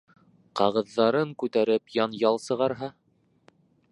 Ҡағыҙҙарын күтәреп янъял сығарһа?...